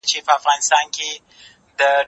هغه څوک چي کتابتون ته ځي پوهه اخلي؟